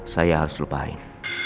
saya harus lupain